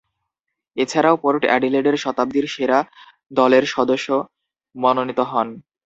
এছাড়াও, পোর্ট অ্যাডিলেডের শতাব্দীর সেরা দলের সদস্য মনোনীত হন।